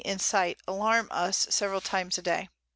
_] in sight, alarm us several times in a day.